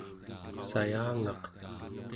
sayangaq